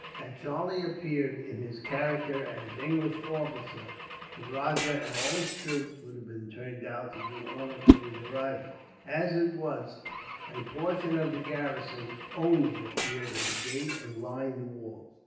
Had Charlie appeared in his character as English officer, the rajah and all his troops would have turned out to do honor to his arrival. As it was, a portion of the garrison, only, appeared at the gate and lined the walls.